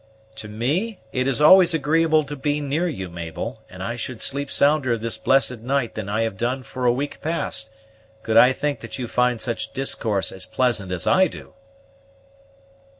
"To me it is always agreeable to be near you, Mabel; and I should sleep sounder this blessed night than I have done for a week past, could I think that you find such discourse as pleasant as I do."